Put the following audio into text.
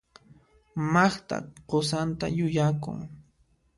Magda qusanta yuyakun.